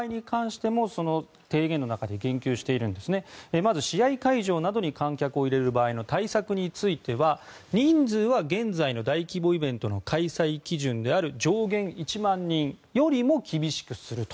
まず試合会場などに観客を入れる場合の対策については人数は現在の大規模イベントの開催基準である上限１万人よりも厳しくすると。